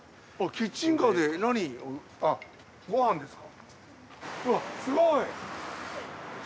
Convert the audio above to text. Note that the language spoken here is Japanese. キッチンカーですか。